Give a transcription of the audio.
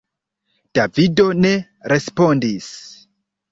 Davido ne respondis.